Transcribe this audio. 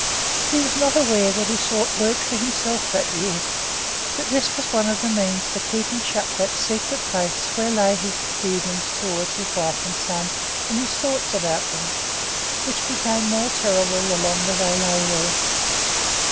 But he was not aware that he sought work for himself that year, that this was one of the means for keeping shut that secret place where lay hid his feelings towards his wife and son and his thoughts about them, which became more terrible the longer they lay there.